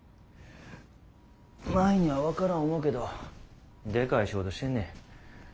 舞には分からん思うけどでかい仕事してんねん。